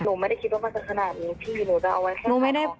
หนูไม่ได้คิดว่ามันจะขนาดนี้พี่หนูจะเอาไว้แค่หนูไม่ได้